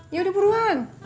ya udah peruan